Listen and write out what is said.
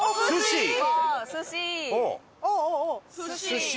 寿司！